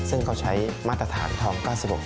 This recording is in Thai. ซึ่งเขาใช้มาตรฐานทอง๙๖